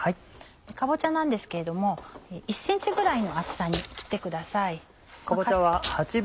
かぼちゃなんですけれども１ｃｍぐらいの厚さに切ってください。